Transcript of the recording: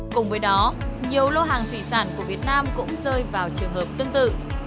cùng với đó nhiều lô hàng thủy sản của việt nam cũng rơi vào trường hợp tương tự